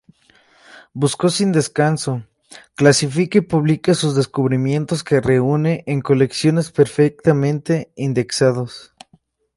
Buscó sin descanso clasifica y publica sus descubrimientos que reúne en colecciones perfectamente indexados.